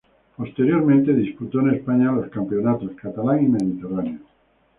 Posteriormente disputó en España los campeonatos catalán y mediterráneo.